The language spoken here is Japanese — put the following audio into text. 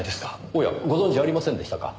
おやご存じありませんでしたか？